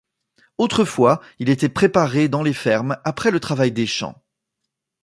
Autrefois, il était préparé dans les fermes, après le travail des champs.